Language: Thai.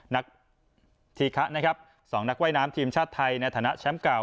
นักธีคะนะครับ๒นักว่ายน้ำทีมชาติไทยในฐานะแชมป์เก่า